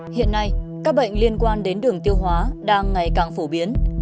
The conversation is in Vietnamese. hiện nay các bệnh liên quan đến đường tiêu hóa đang ngày càng phổ biến